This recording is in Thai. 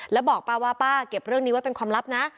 แล้วบอกป้าว่าป้าเก็บเรื่องนี้ไว้เป็นความลับนะ